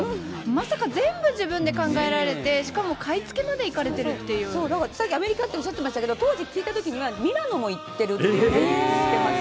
まさか全部自分で考えられて、しかも買い付けまで行かれてるってだから、さっきアメリカっておっしゃってましたけど、当時聞いたときには、ミラノも行ってるって言ってました。